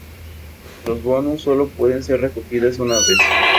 Los Bonus sólo pueden ser recogidas una vez.